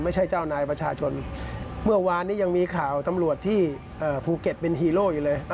เจ้านายประชาชนเมื่อวานนี้ยังมีข่าวตำรวจที่ภูเก็ตเป็นฮีโร่อยู่เลย